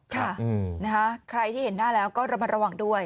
ค่ะใครที่เห็นหน้าแล้วก็มาระวังด้วย